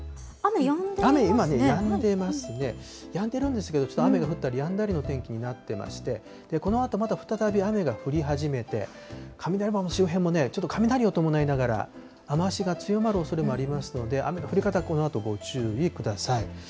雨やんでいますね、やんでるんですけど、ちょっと雨が降ったりやんだりの天気になってまして、このあとまた再び雨が降り始めて、雷門の周辺もね、ちょっと雷を伴いながら、雨足が強まるおそれもありますので、雨の降り方、このあとご注意ください。